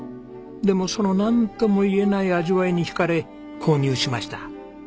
でもそのなんともいえない味わいに惹かれ購入しました。